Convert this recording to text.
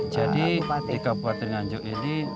jadi di kabupaten nganjuk ini